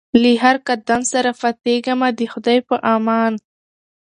له هر قدم سره پاتېږمه د خدای په امان